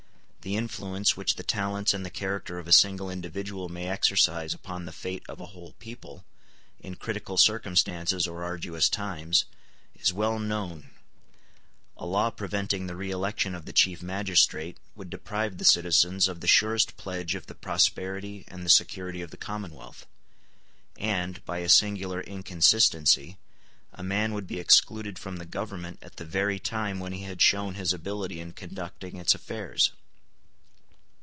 The influence which the talents and the character of a single individual may exercise upon the fate of a whole people, in critical circumstances or arduous times, is well known: a law preventing the re election of the chief magistrate would deprive the citizens of the surest pledge of the prosperity and the security of the commonwealth; and, by a singular inconsistency, a man would be excluded from the government at the very time when he had shown his ability in conducting its affairs.